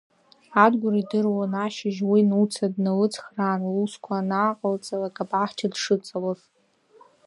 Адгәыр идыруан ашьыжь уи Нуца дналыцхраан лусқәа анааҟалҵалак абаҳча дшыҵалоз.